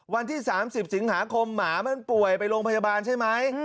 วันที่๓๐สิงหาคมหมามันป่วยไปโรงพยาบาลใช่ไหม